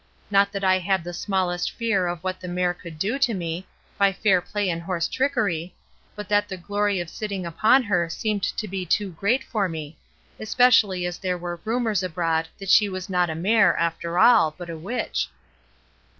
Not that I had the smallest fear of what the mare could do to me, by fair play and horse trickery, but that the glory of sitting upon her seemed to be too great for me; especially as there were rumours abroad that she was not a mare, after all, but a witch.